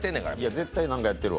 絶対何かやってるわ。